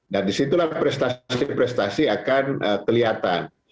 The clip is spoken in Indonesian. dan disitulah prestasi prestasi akan kelihatan